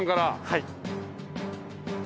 はい。